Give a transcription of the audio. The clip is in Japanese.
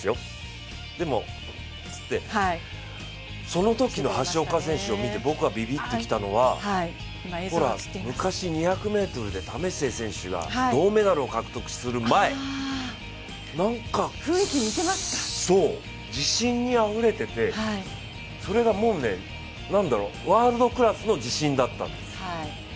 そのときの橋岡選手を見て僕がビビッときたのは昔、２００ｍで為末選手が銅メダルを獲得する前、なんか自信にあふれていて、それがもうね、ワールドクラスの自信だったんです。